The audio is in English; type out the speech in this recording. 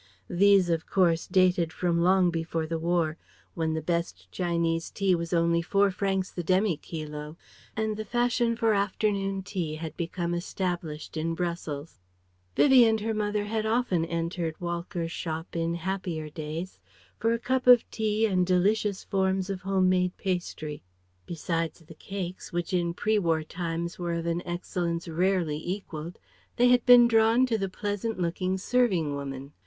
These of course dated from long before the war, when the best Chinese tea was only four francs the demi kilo and the fashion for afternoon tea had become established in Brussels. Vivie and her mother had often entered Walcker's shop in happier days for a cup of tea and delicious forms of home made pastry. Besides the cakes, which in pre war times were of an excellence rarely equalled, they had been drawn to the pleasant looking serving woman.